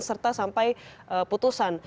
serta sampai putusan